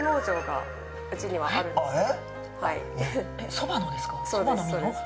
そうですそうです。